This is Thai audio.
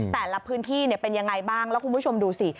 แต่ละพื้นที่เป็นยังไงบ้างแล้วคุณผู้ชมดูสิ